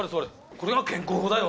これが健康法だよ